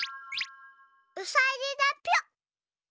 うさぎだぴょ。